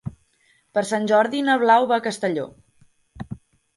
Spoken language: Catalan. Per Sant Jordi na Blau va a Castelló.